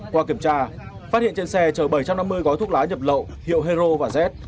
qua kiểm tra phát hiện trên xe chở bảy trăm năm mươi gói thuốc lá nhập lậu hiệu hero và z